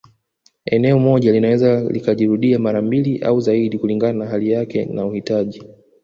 Eneo moja linaweza likajirudia mara mbili au zaidi kulingana na hali yake na uhitaji